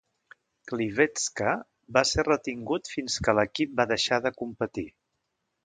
Klivecka va ser retingut fins que l'equip va deixar de competir.